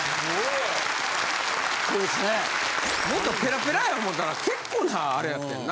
もっとペラペラや思ったら結構なあれやってんな。